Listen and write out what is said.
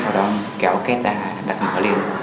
sau đó kéo két đặt mở lên